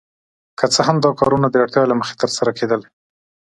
که څه هم دا کارونه د اړتیا له مخې ترسره کیدل.